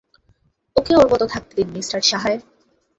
ওকে ওর মত থাকতে দিন, মিস্টার সাহায়!